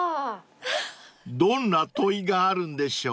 ［どんな問いがあるんでしょう？］